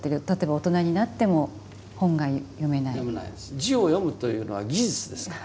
字を読むというのは技術ですから。